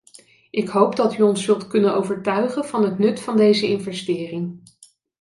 Ik hoop dat u ons zult kunnen overtuigen van het nut van deze investering.